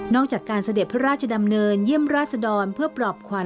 จากการเสด็จพระราชดำเนินเยี่ยมราชดรเพื่อปลอบขวัญ